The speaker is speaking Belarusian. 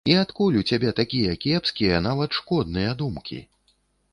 І адкуль у цябе такія кепскія, нават шкодныя думкі?